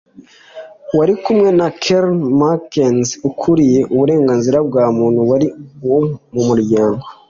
wari kumwe na Karen McKenzie ukuriye uburenganzira bwa muntu muri uwo muryango